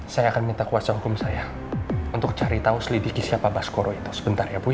saya akan minta kuasa hukum saya untuk cari tahu selidiki siapa baskoro itu sebentar ya bu